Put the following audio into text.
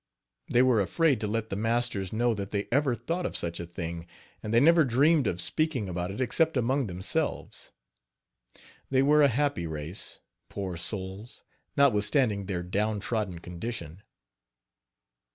They were afraid to let the masters know that they ever thought of such a thing, and they never dreamed of speaking about it except among themselves. They were a happy race, poor souls! notwithstanding their downtrodden condition.